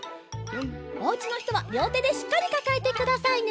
おうちのひとはりょうてでしっかりかかえてくださいね。